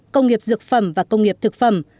công nghiệp dược phẩm và công nghiệp thực phẩm